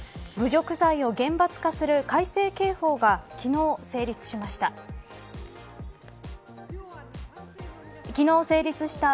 侮辱罪を厳罰化する改正刑法が昨日、成立しました。